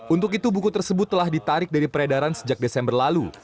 untuk itu buku tersebut telah ditarik dari peredaran sejak desember lalu